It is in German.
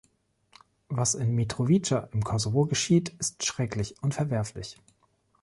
Was in Mitrovica im Kosovo geschieht, ist schrecklich und verwerflich.